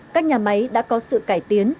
các nhà máy đã có sự cải tiến